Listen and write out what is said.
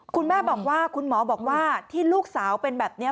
คุณแม่บอกว่าคุณหมอบอกว่าที่ลูกสาวเป็นแบบนี้